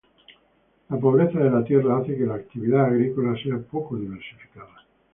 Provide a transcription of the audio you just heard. La pobreza de la tierra hace que la actividad agrícola sea poco diversificada.